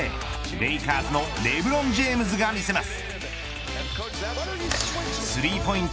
レイカーズのレブロン・ジェームズが見せます。